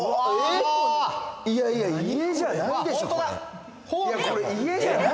いやいや、家じゃないでしょ！